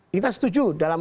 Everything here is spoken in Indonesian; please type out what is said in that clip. kita setuju dalam